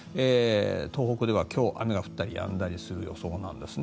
東北では今日雨が降ったりやんだりする予想なんですね。